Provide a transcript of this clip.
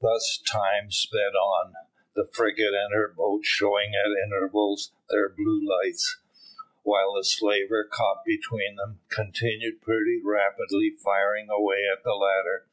Thus time sped on, the frigate and her boat showing at intervals their blue lights, while the slaver, caught between them, continued pretty rapidly firing away at the latter.